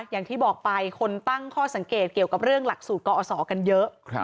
อย่างที่บอกไปคนตั้งข้อสังเกตเกี่ยวกับเรื่องหลักสูตรกอศกันเยอะ